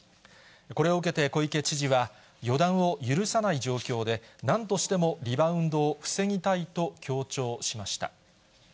これを受けて小池知事は、予断を許さない状況で、なんとしてもリバウンドを防ぎたいと強調しました。